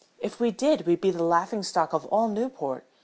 If we did we'd be the laughing stock of all Newport.